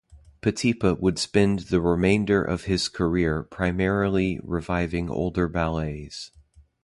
Petipa would spend the remainder of his career primarily reviving older ballets.